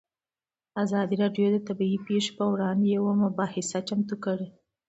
ازادي راډیو د طبیعي پېښې پر وړاندې یوه مباحثه چمتو کړې.